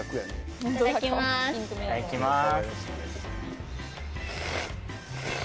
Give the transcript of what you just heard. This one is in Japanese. いただきます。